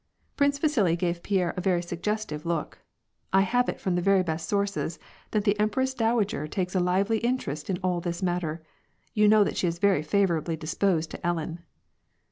Prince Vasili gave Pierre a very suggestive look. " I have it from the very best sources that the Empress Dowager takes a lively interest in all this matter. You know that she is very favorably disposed to Ellen."